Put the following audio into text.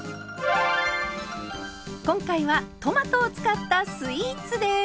今回はトマトを使ったスイーツです。